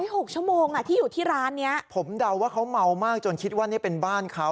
หกชั่วโมงอ่ะที่อยู่ที่ร้านเนี้ยผมเดาว่าเขาเมามากจนคิดว่านี่เป็นบ้านเขา